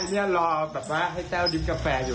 ใช่เนี่ยรอแบบว่าให้แต้วริฟท์กาแฟอยู่